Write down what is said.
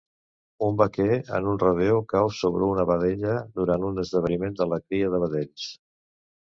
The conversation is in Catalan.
Un vaquer en un rodeo cau sobre una vedella durant un esdeveniment de la cria de vedells.